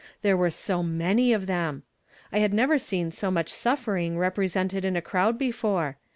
There were so many of them ! I had never seen so much suffering repre sented in a crowd before.